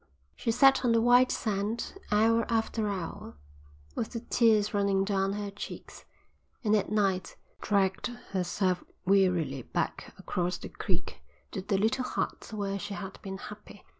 She sat on the white sand, hour after hour, with the tears running down her cheeks, and at night dragged herself wearily back across the creek to the little hut where she had been happy.